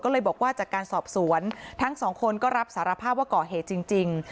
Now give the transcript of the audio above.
ก็เลยบอกว่าจากการสอบสวนทั้งสองคนก็รับสารภาพว่าก่อเหตุจริง